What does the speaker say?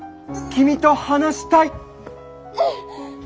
・君と話したいッ！